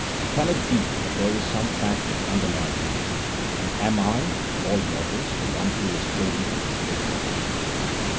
Can it be that there is some fact which underlies them, and am I, of all mortals, the one who is chosen to expose it?